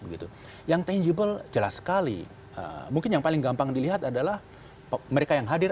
begitu yang tangible jelas sekali mungkin yang paling gampang dilihat adalah mereka yang hadir